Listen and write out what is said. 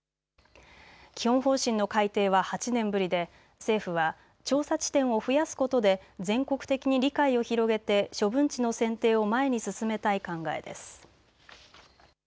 基本方針の改定は８年ぶりで政府は調査地点を増やすことで全国的に理解を広げて処分地の選定を前に進めたい考えです。